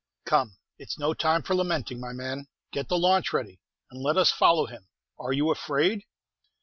"Come, it's no time for lamenting, my man; get the launch ready, and let us follow him. Are you afraid?"